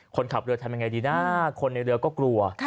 คนขับเรือทำยังไงดีนะคนในเรือก็กลัว